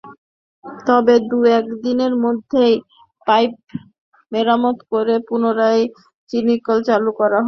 তবে দু-এক দিনের মধ্যেই পাইপ মেরামত করে পুনরায় চিনিকল চালু করা হবে।